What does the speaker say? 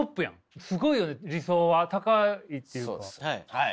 はい。